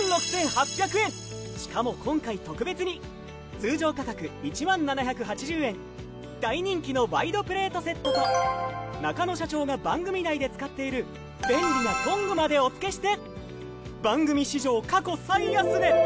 しかも今回特別に通常価格１０，７８０円大人気のワイドプレートセットと中野社長が番組内で使っている便利なトングまでお付けして。